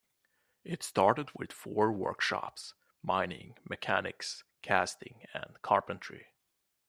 It started with four workshops: Mining, Mechanics, Casting and Carpentry.